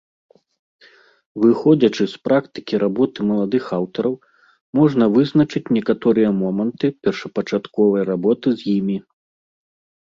Выходзячы з практыкі работы маладых аўтараў, можна вызначыць некаторыя моманты першапачатковай работы з імі.